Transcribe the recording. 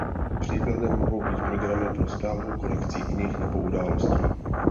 Příkladem mohou být programy pro správu kolekcí knih nebo událostí.